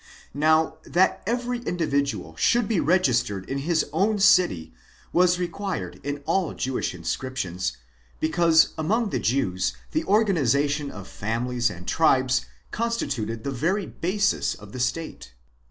Now, that every individual should be registered in his own city was required in all Jewish inscriptions, because among the Jews the organization of families and tribes constituted the very basis of the state.